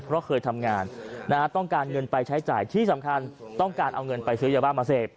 เพราะเคยทำงานต้องการเงินไปใช้จ่ายที่สำคัญต้องการเอาเงินไปซื้อยาบ้ามาเสพ